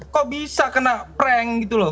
kok bisa kena prank gitu loh